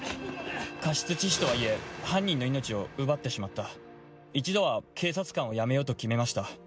過失致死とはいえ犯人の命を奪ってしまった一度は警察官を辞めようと決めました。